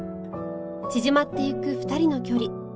縮まっていく２人の距離